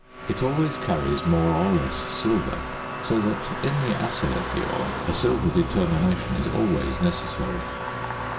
It always carries more or less silver; so that in the assay of the ore a silver determination is always necessary.